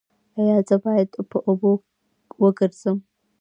ایا زه باید په اوبو وګرځم؟